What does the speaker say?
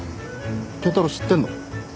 健太郎知ってんの？